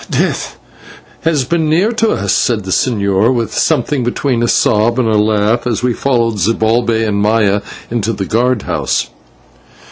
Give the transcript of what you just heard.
"Death has been near to us," said the señor with something between a sob and a laugh, as we followed Zibalbay and Maya into the guard house.